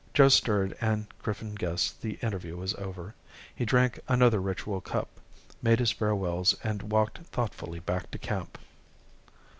Joe stirred and Griffin guessed the interview was over. He drank another ritual cup, made his farewells and walked thoughtfully back to camp.